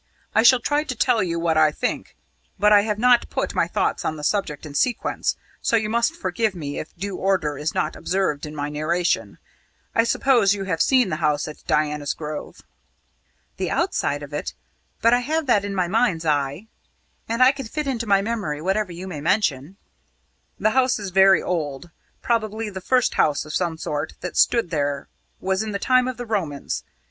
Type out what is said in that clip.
I shall try to tell you what I think; but I have not put my thoughts on the subject in sequence, so you must forgive me if due order is not observed in my narration. I suppose you have seen the house at Diana's Grove?" "The outside of it; but I have that in my mind's eye, and I can fit into my memory whatever you may mention." "The house is very old probably the first house of some sort that stood there was in the time of the Romans.